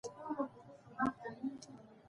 د تا له لاسه دخلکو سره په دښمنۍ واوښتم.